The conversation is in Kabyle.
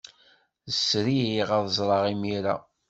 Sriɣ ad ẓreɣ imir-a.